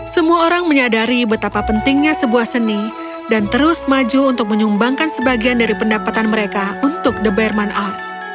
semua orang menyadari betapa pentingnya sebuah seni dan terus maju untuk menyumbangkan sebagian dari pendapatan mereka untuk the berman art